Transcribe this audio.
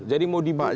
jadi mau dibuka pun